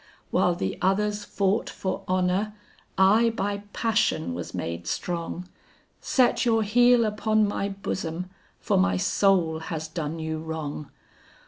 While the others fought for honor, I by passion was made strong, Set your heel upon my bosom for my soul has done you wrong.